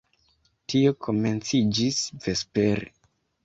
Tio komenciĝis vespere.